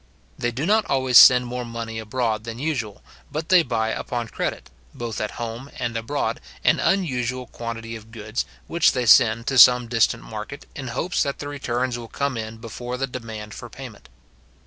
They do not always send more money abroad than usual, but they buy upon credit, both at home and abroad, an unusual quantity of goods, which they send to some distant market, in hopes that the returns will come in before the demand for payment.